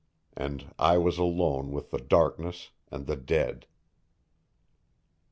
And I was alone with the darkness and the dead.